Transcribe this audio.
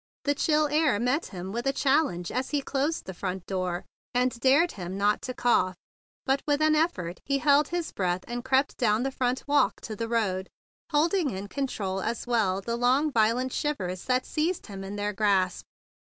The chill air 100 THE BIG BLUE SOLDIER met him with a challenge as he closed the front door, and dared him not to cough; but with an effort he held his breath, and crept down the front walk to the road, holding in control as well the long, violent shivers that seized him in their grasp.